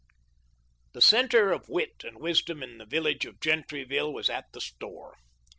The centre of wit and wisdom in the village of Gentryville was at the store.